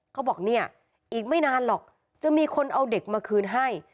เขาบอกเนี่ยอีกไม่นานหรอกจะมีคนเอาเด็กมาคืนให้